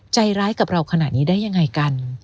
ใจร้ายกับเราขนาดนี้ได้ยังไงกัน